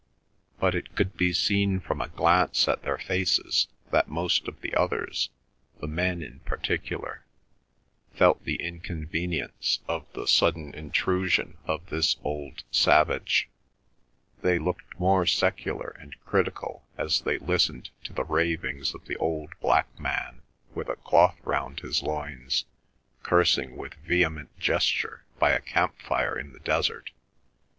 But it could be seen from a glance at their faces that most of the others, the men in particular, felt the inconvenience of the sudden intrusion of this old savage. They looked more secular and critical as they listened to the ravings of the old black man with a cloth round his loins cursing with vehement gesture by a camp fire in the desert.